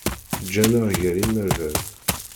Ǧǧan-aɣ gar yiberdan.